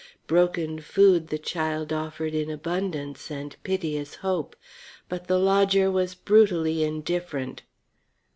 Broken food the child offered in abundance and piteous hope. But the lodger was brutally indifferent.